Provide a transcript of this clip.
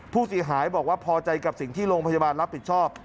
ผู้เสียหายบอกว่าพอใจกับสิ่งที่โรงพยาบาลรับผิดชอบ